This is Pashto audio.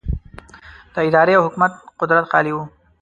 د ادارې او حکومت قدرت خالي و.